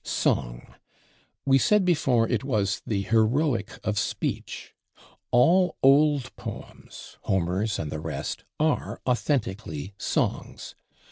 Song: we said before, it was the Heroic of Speech! All old Poems, Homer's and the rest, are authentically Songs.